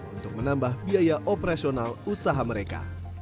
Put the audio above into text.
untuk menambah biaya operasional usaha mereka